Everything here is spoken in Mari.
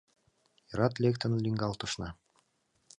Эрат лектын лӱҥгалтышна